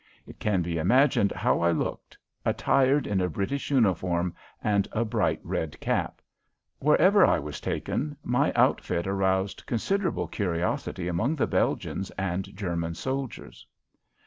It can be imagined how I looked attired in a British uniform and a bright red cap. Wherever I was taken, my outfit aroused considerable curiosity among the Belgians and German soldiers.